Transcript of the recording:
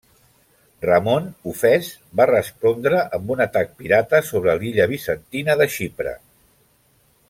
Ramon, ofès, va respondre amb un atac pirata sobre l'illa bizantina de Xipre.